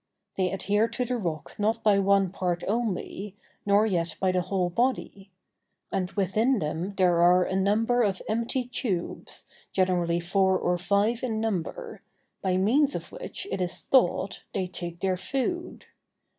They adhere to the rock not by one part only, nor yet by the whole body: and within them there are a number of empty tubes, generally four or five in number, by means of which, it is thought, they take their food.